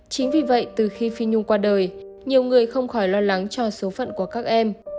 chính vì vậy từ khi phi nhung qua đời nhiều người không khỏi lo lắng cho số phận của các em